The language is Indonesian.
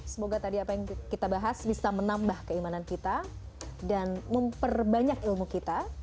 semoga tadi apa yang kita bahas bisa menambah keimanan kita dan memperbanyak ilmu kita